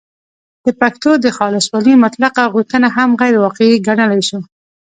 د پښتو د خالصوالي مطلقه غوښتنه هم غیرواقعي ګڼلای شو